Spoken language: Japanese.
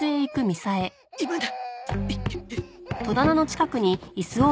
今だ！